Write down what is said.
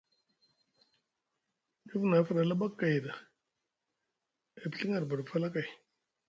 Dif nʼa fuɗa laɓa kay ɗa, e piɵiŋ arbaɗi falakay.